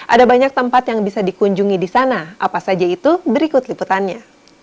ada banyak tempat yang bisa dikunjungi di sana apa saja itu berikut liputannya